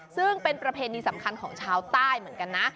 ซึ่งเป็นประเพณีสำคัญของชาวใต้เหมือนกันนะ